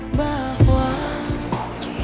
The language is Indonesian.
makasih udah datang